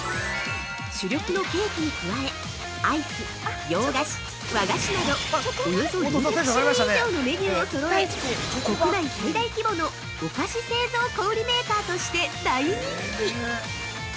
主力のケーキに加え、アイス洋菓子、和菓子などおよそ４００種類以上のメニューをそろえ国内最大規模のお菓子製造小売メーカーとして大人気！